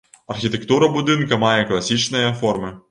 Архітэктура будынка мае класічныя формы.